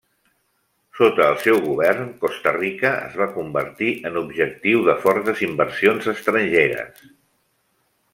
Sota el seu govern, Costa Rica es va convertir en objectiu de fortes inversions estrangeres.